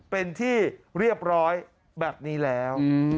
เป็นที่เรียบร้อยแบบนี้แล้ว